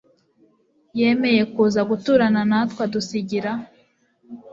yemeye kuza guturana natwe adusigira